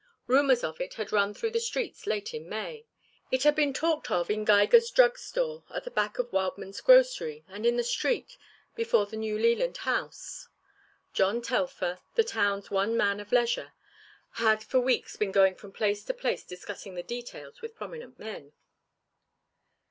Rumours of it had run through the streets late in May. It had been talked of in Geiger's drug store, at the back of Wildman's grocery, and in the street before the New Leland House. John Telfer, the town's one man of leisure, had for weeks been going from place to place discussing the details with prominent men.